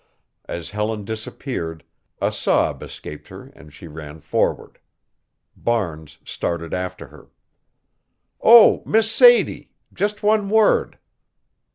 As Helen disappeared, a sob escaped her and she ran forward. Barnes started after her. "Oh, Miss Sadie just one word!"